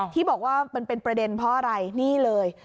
ที่บอกว่ามันเป็นประเด็นเพราะอะไรนี่เลย